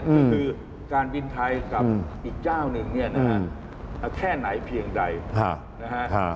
ก็คือการบินไทยกับอีกเจ้าหนึ่งเนี่ยนะฮะแค่ไหนเพียงใดนะฮะ